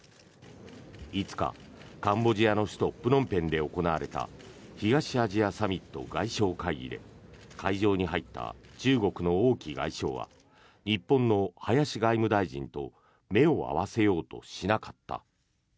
５日、カンボジアの首都プノンペンで行われた東アジアサミット外相会議で会場に入った中国の王毅外相は日本の林外務大臣と目を合わせようとしなかった。